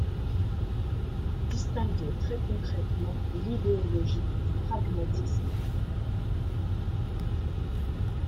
distinguer très concrètement l’idéologie du pragmatisme.